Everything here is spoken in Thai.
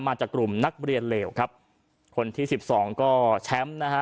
มาจากกลุ่มนักเรียนเลวครับคนที่สิบสองก็แชมป์นะฮะ